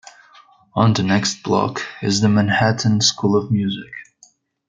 On the next block is the Manhattan School of Music.